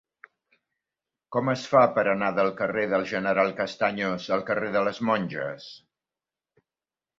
Com es fa per anar del carrer del General Castaños al carrer de les Monges?